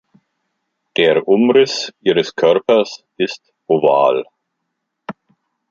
Der Umriss ihres Körpers ist oval.